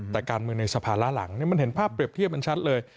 แต่การเมืองในสภาล้าหลังมันเห็นภาพเปรียบเทียบมันชัดเลย